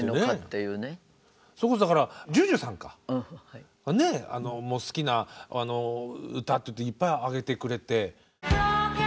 それこそＪＵＪＵさんか好きな歌っていっていっぱい挙げてくれて。